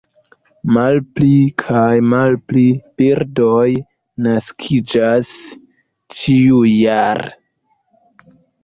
Malpli kaj malpli birdoj naskiĝas ĉiujare.